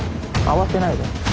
慌てないで。